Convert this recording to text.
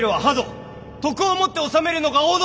徳をもって治めるのが王道なり！